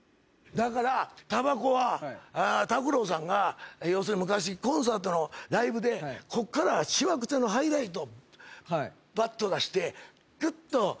だからたばこは拓郎さんが要するに昔コンサートのライブでこっからしわくちゃのハイライトをばっと出してくっと。